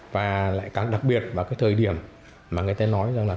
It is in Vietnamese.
và lại càng đặc biệt vào cái thời điểm mà người ta nói rằng là